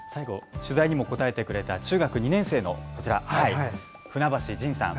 取材にも答えてくれた中学２年生の船橋仁さん。